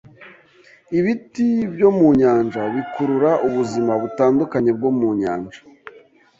Ibiti byo mu nyanja bikurura ubuzima butandukanye bwo mu nyanja.